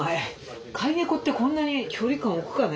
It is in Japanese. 飼い猫ってこんなに距離感置くかね。